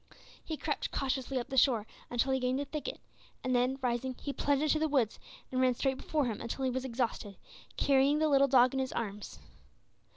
He crept cautiously up the shore until he gained a thicket, and then, rising, he plunged into the woods and ran straight before him until he was exhausted, carrying the little dog in his arms.